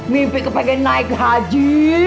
mimpi kepengen naik haji